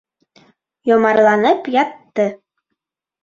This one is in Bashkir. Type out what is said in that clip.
Йомарланып ятты.